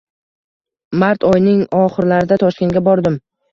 mart oyining oxirlarida Toshkentga bordim.